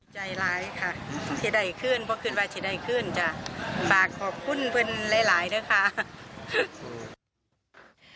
ใจร้ายค่ะเฉยใดขึ้นเพราะคืนว่าเฉยใดขึ้น